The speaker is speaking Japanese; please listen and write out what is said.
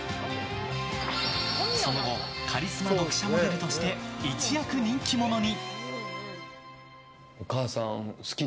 その後カリスマ読者モデルとして一躍人気者に。